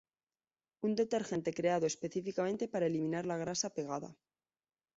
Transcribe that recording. Un detergente creado específicamente para eliminar la grasa pegada.